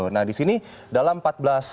nah di sini dalam empat belas